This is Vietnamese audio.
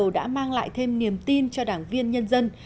đã mang lại thêm niềm tin cho đảng viên nhân dân